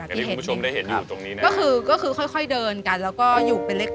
อย่างที่คุณผู้ชมได้เห็นอยู่ตรงนี้นะครับก็คือก็คือค่อยเดินกันแล้วก็อยู่เป็นเล็ก